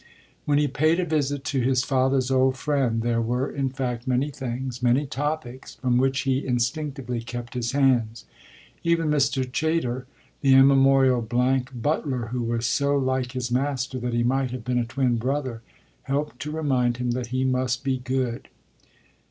When he paid a visit to his father's old friend there were in fact many things many topics from which he instinctively kept his hands. Even Mr. Chayter, the immemorial blank butler, who was so like his master that he might have been a twin brother, helped to remind him that he must be good.